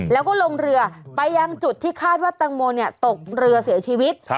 แล้วก็ลงเรือไปยังจุดที่คาดว่าแตงโมตกเรือเสียชีวิต